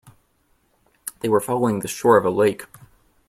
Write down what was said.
They were following the shore of a lake.